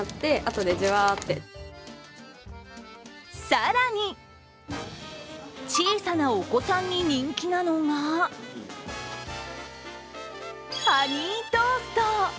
更に小さなお子さんに人気なのがハニートースト。